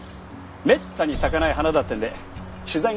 めったに咲かない花だってんで取材が来たよ。